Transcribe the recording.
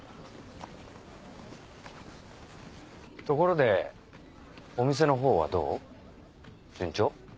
ところでお店のほうはどう？順調？